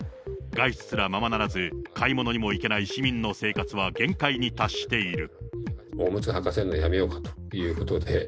外出すらままならず、買い物にも行けない市民の生活は限界に達している。